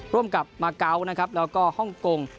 ร่วมกับมาเกาะนะครับแล้วก็ฮ่องกง